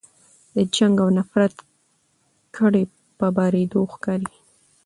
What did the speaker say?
د جنګ او نفرت کډې په بارېدو ښکاري